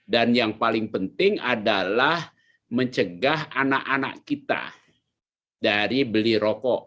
dan yang paling penting adalah mencegah anak anak kita dari beli rokok